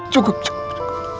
cukup cukup cukup